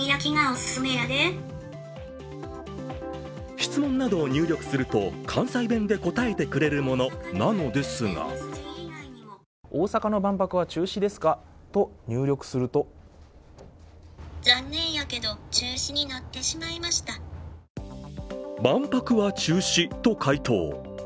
質問などを入力すると、関西弁で答えてくれるものなのですが万博は中止と回答。